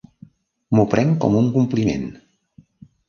M'ho prenc com un compliment.